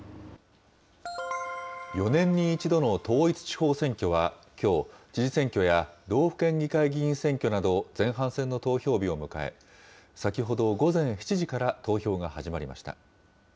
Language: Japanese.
４年に一度の統一地方選挙は、きょう、知事選挙や道府県議会議員選挙など前半戦の投票日を迎え、先ほど午前７時から投票が始まりました。